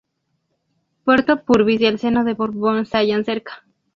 Puerto Purvis y el seno de Borbón se hallan cerca.